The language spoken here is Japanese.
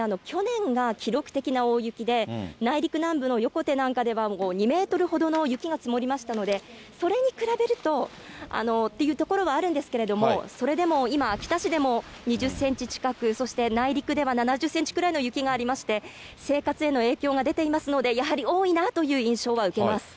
去年が記録的な大雪で、内陸南部の横手なんかでは、２メートルほどの雪が積もりましたので、それに比べるとというところはあるんですけれども、それでも今、秋田市でも２０センチ近く、そして内陸では７０センチくらいの雪がありまして、生活への影響が出ていますので、やはり多いなという印象は受けま